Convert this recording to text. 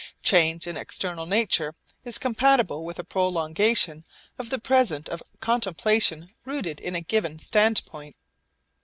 Change in external nature is compatible with a prolongation of the present of contemplation rooted in a given standpoint.